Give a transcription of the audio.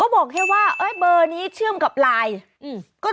บอกแค่ว่าเบอร์นี้เชื่อมกับไลน์